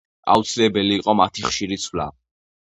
აუცილებელი იყო მათი ხშირი ცვლა.